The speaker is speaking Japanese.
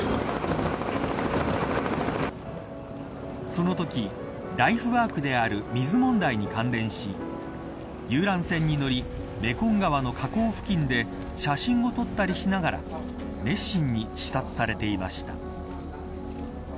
そのときライフワークである水問題に関連し遊覧船に乗りメコン川の河口付近で写真を撮ったりしながら熱心に視察されていました。